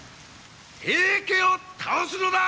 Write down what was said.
平家を倒すのだ！